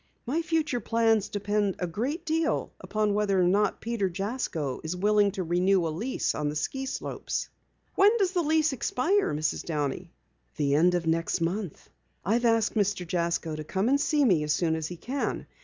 My future plans depend a great deal upon whether or not Peter Jasko is willing to renew a lease on the ski slopes." "When does the lease expire, Mrs. Downey?" "The end of next month. I've asked Mr. Jasko to come and see me as soon as he can.